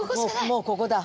もうここだ。